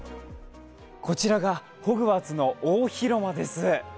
こちらがホグワーツの大広間です。